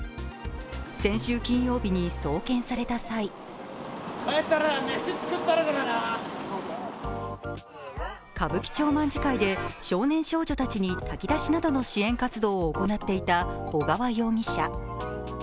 先週金曜日に送検された際歌舞伎町卍会で少年少女たちに炊き出しなどの支援活動を行っていた小川容疑者。